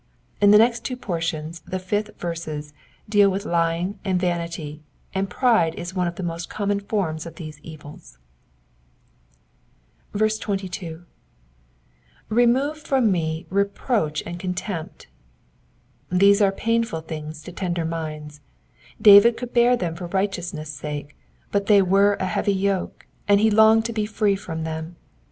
In the next two portions the fifth verses deal with lying and vanity, and pride is one of the most common forms of those evils. 22. ''''Bemo^ from me reproach and contempt,'*'* These are painful things to tender minds. David could bear them for righteousness' sake, but they were a heavy yoke, and he longed to be free from them.